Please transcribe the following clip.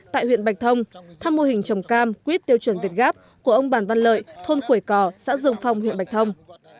tại huyện bạch thông thăm mô hình trồng cam quyết tiêu chuẩn việt gáp của ông bản văn lợi thôn khuẩy cò xã dương phong huyện bạch thông